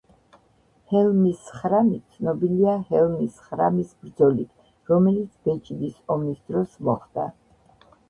ჰელმის ხრამი ცნობილია ჰელმის ხრამის ბრძოლით, რომელიც ბეჭდის ომის დროს მოხდა.